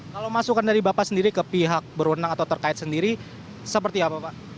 kalau masukan dari bapak sendiri ke pihak berwenang atau terkait sendiri seperti apa pak